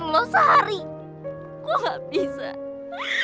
nah kita cari gue tadi dah